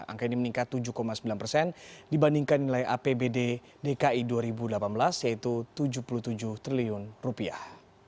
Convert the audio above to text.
angka ini meningkat tujuh sembilan persen dibandingkan nilai apbd dki dua ribu delapan belas yaitu tujuh puluh tujuh triliun rupiah